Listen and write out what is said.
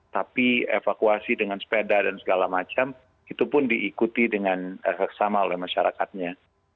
tapi evakuasi dengan sepeda dan segala macam itu pun diikuti dengan sama oleh masyarakatnya